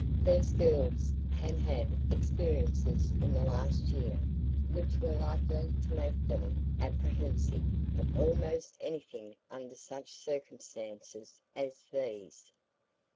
These girls had had experiences in the last year which were likely to make them apprehensive of almost anything under such circumstances as these.